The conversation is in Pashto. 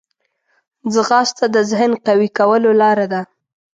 ځغاسته د ذهن قوي کولو لاره ده